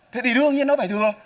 thế thì đương nhiên nó phải thừa